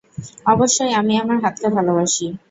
অবশ্যই আমি আমার হাতকে ভালোবাসি।